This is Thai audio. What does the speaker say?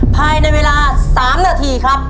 ภายในเวลา๓นาทีครับ